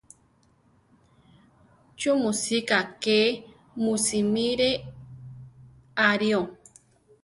¿Chú mu sika ké mu simire aʼrío?